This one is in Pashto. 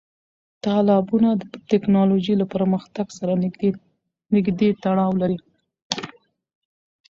تالابونه د تکنالوژۍ له پرمختګ سره نږدې تړاو لري.